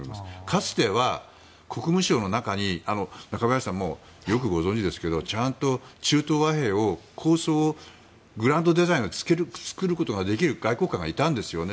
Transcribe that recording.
かつては国務省の中に中林さんもよくご存じですがちゃんと中東和平の構想をグランドデザインを作ることが出きる外交官がいたんですよね。